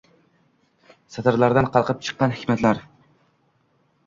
Satrlardan qalqib chiqqan hikmatlar